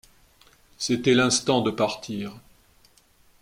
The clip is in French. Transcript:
C’était l’instant de partir.